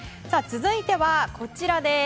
続いてはこちらです。